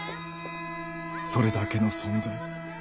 それだけの存在。